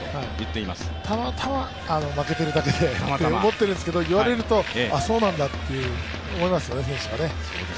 たまたま負けているだけだと思っているんですけど、いわれると、あっ、そうなんだって思いますよね、選手は。